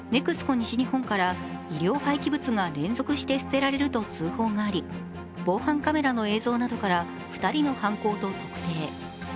西日本から医療廃棄物が連続して捨てられると通報があり、防犯カメラの映像などから２人の犯行と特定。